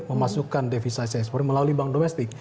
memasukkan devisasi ekspor melalui bank domestik